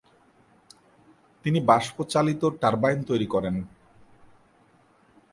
তিনি বাষ্পচালিত টারবাইন তৈরি করেন।